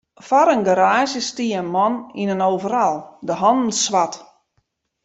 Foar in garaazje stie in man yn in overal, de hannen swart.